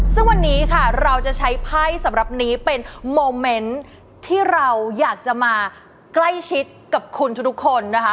ซึ่งวันนี้ค่ะเราจะใช้ไพ่สำหรับนี้เป็นโมเมนต์ที่เราอยากจะมาใกล้ชิดกับคุณทุกคนนะคะ